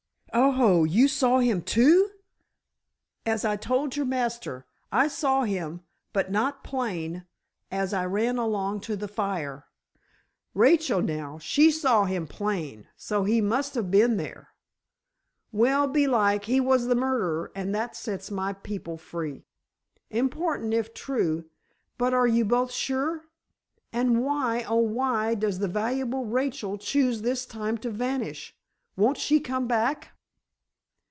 "Oho, you saw him, too?" "As I told your master, I saw him, but not plain, as I ran along to the fire. Rachel, now, she saw him plain, so he musta been there. Well, belike, he was the murderer and that sets my people free." "Important if true, but are you both sure? And why, oh, why does the valuable Rachel choose this time to vanish? Won't she come back?"